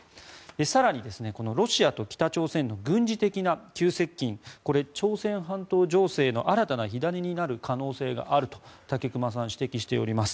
更に、ロシアと北朝鮮の軍事的な急接近これは朝鮮半島情勢の新たな火種になる可能性があると武隈さんは指摘しております。